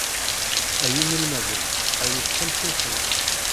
Ay inelmaden, arut tamsirt-nwen.